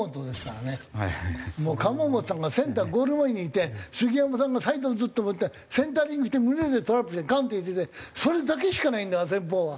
もう釜本さんがセンターゴール前にいて杉山さんがサイドをずっと行ってセンタリングして胸でトラップしてガンッて入れてそれだけしかないんだ戦法は。